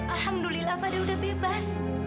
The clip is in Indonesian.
alhamdulillah fadil udah bebas